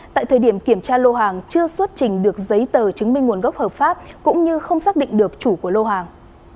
tại thời điểm kiểm tra lô hàng chưa xuất trình được giấy tờ chứng minh nguồn gốc hợp pháp cũng như không xác định được chủ của lô hàng